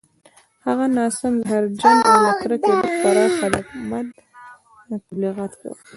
هغه ناسم، زهرجن او له کرکې ډک پراخ هدفمند تبلیغات کول